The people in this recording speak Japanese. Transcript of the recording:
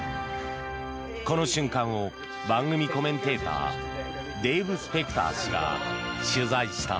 この瞬間を番組コメンテーターデーブ・スペクター氏が取材した。